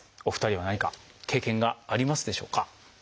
お二人は何か経験がありますでしょうか？